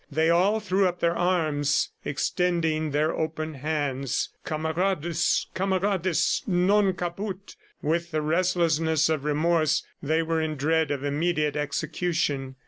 They all threw up their arms, extending their open hands: "Kamarades ... kamarades, non kaput." With the restlessness of remorse, they were in dread of immediate execution.